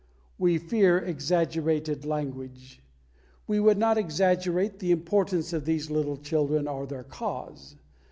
We fear exaggerated language. We would not exaggerate the importance of these little children or their cause.